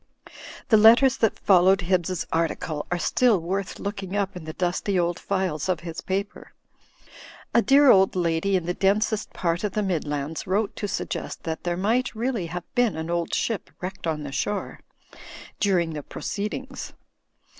The letters that followed Hibbs's article are still worth looking up in the dusty old files of his paper. A dear old lady in the densest part of the Midlands wrote to suggest that there might really have been an old ship wrecked on the shore, during the proceed ings.